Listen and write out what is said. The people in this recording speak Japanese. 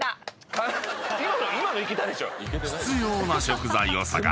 今のいけたでしょ。